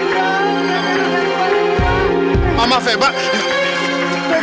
bukan ada felt tangani atauindi